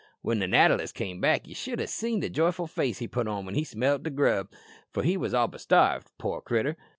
"When the natter list came back ye should ha' seen the joyful face he put on when he smelt the grub, for he was all but starved out, poor critter."